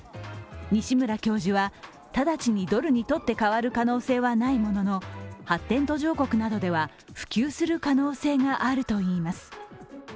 西村教授は直ちにドルにとって代わる可能性はないものの、発展途上国などでは普及する可能性があるといいます。